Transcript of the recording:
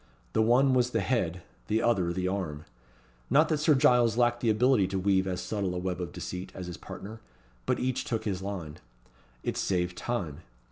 The one was the head; the other the arm. Not that Sir Giles lacked the ability to weave as subtle a web of deceit as his partner; but each took his line. It saved time.